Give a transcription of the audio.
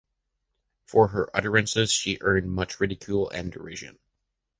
For her utterances she earned much ridicule and derision.